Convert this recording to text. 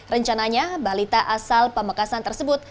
rencananya balita asal pamekasan tersebut